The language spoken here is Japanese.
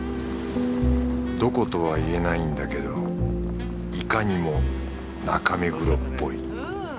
どことは言えないんだけどいかにも中目黒っぽい